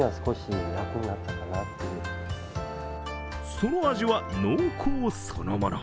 その味は濃厚そのもの。